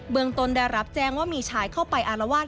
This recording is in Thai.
ตนได้รับแจ้งว่ามีชายเข้าไปอารวาส